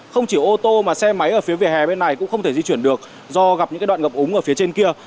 không chỉ ô tô mà xe máy ở phía vỉa hè bên này cũng không thể di chuyển được do gặp những đoạn ngập úng ở phía trên kia